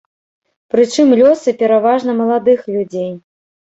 Прычым, лёсы пераважна маладых людзей.